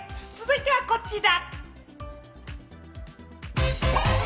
続いてはこちら！